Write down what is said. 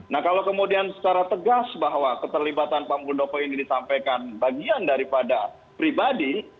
nah kalau kemudian secara tegas bahwa keterlibatan pak muldoko ini disampaikan bagian daripada pribadi